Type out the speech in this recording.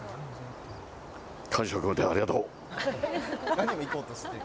感謝を込めて、ありがとう。